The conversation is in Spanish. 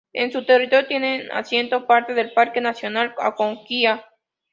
En su territorio tiene asiento parte del Parque nacional Aconquija.